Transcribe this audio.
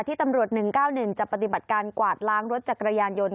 ตำรวจ๑๙๑จะปฏิบัติการกวาดล้างรถจักรยานยนต์